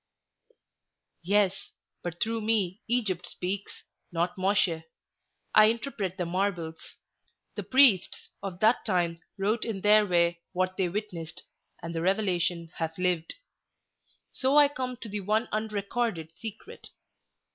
"Yes, but through me Egypt speaks, not Mosche. I interpret the marbles. The priests of that time wrote in their way what they witnessed, and the revelation has lived. So I come to the one unrecorded secret.